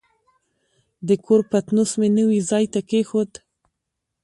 د کور پتنوس مې نوي ځای ته کېښود.